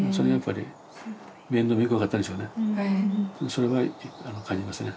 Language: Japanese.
それは感じましたね。